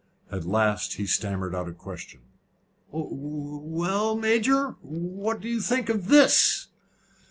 At last he stammered out a question. "Well, Major, what do you think of this?"